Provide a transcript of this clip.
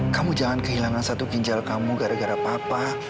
kamu jangan kehilangan satu ginjal kamu gara gara papa